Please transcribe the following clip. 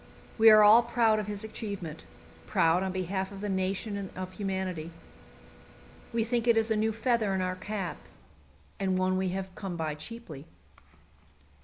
We are all proud of his achievement proud on behalf of the nation and of humanity. We think it is a new feather in our cap, and one we have come by cheaply.